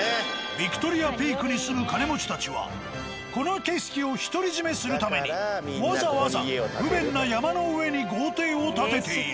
ヴィクトリアピークに住む金持ちたちはこの景色を独り占めするためにわざわざ不便な山の上に豪邸を建てている。